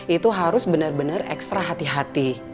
itu harus benar benar ekstra hati hati